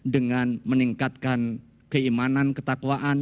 dengan meningkatkan keimanan ketakwaan